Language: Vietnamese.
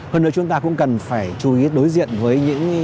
hơn nữa chúng ta cũng cần phải chú ý đối diện với những